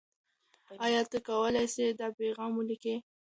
آیا ته کولای سې دا پیغام ولیکې؟